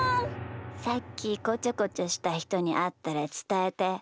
さっきこちょこちょしたひとにあったらつたえて。